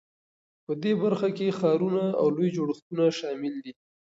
په دې برخه کې ښارونه او لوی جوړښتونه شامل دي.